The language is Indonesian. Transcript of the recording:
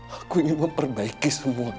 aku ingin memperbaiki semuanya